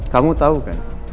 kamu tau kan